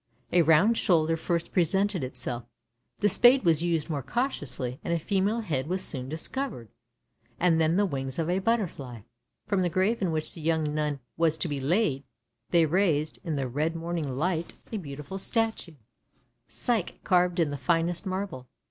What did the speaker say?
A round shoulder first presented itself; the spade was used more cautiously, and a female head was soon discovered, and then the wings of a butterfly. From the grave in which the young nun was to be laid, they raised, in the red morning light, a beautiful statue — Psyche carved in the finest marble.